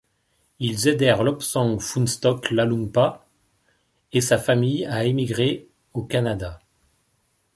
Ils aidèrent Lobsang Phuntshok Lhalungpa et sa famille à émigrer au Canada.